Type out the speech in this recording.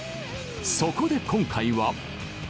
「そこで今回は！」